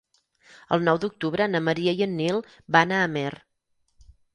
El nou d'octubre na Maria i en Nil van a Amer.